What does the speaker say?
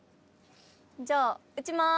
じゃあ撃ちます。